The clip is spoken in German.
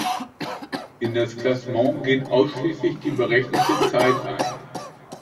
In das Klassement geht ausschließlich die "berechnete Zeit" ein.